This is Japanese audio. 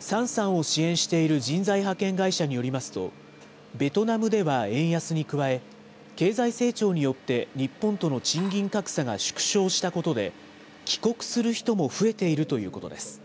サンさんを支援している人材派遣会社によりますと、ベトナムでは円安に加え、経済成長によって日本との賃金格差が縮小したことで、帰国する人も増えているということです。